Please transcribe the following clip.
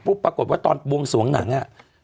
ปรากฏว่าตอนบวงสวงหนังอ่ะ